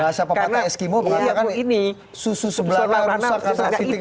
bahasa pemata eskimo bukan susu sebelah kan rusak